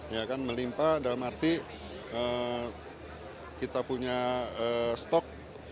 ya kan melimpa dalam arti kita punya stok